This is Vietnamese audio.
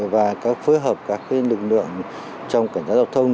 và phối hợp các lực lượng trong cảnh sát giao thông